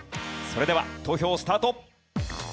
それでは投票スタート！